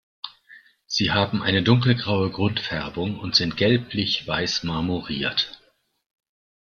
Sie haben eine dunkelgraue Grundfärbung und sind gelblich-weiß marmoriert.